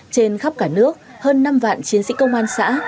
trên khắp cả nước hơn năm vạn chiến sĩ công an xã